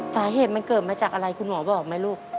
สาเหตุมันเกิดมาจากอะไรคุณหมอบอกไหมลูก